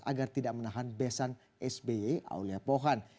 agar tidak menahan besan sby aulia pohan